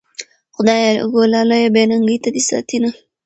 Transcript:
خدايږو لالیه بې ننګۍ ته دي ساتينه